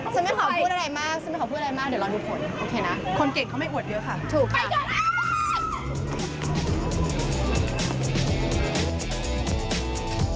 ฉันก็ต้องชนะเท่านั้น